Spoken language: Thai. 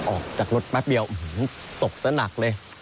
ออกจากรถแป๊บเดียวศพซะหนักเลย